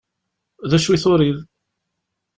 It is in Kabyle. D acu i turiḍ?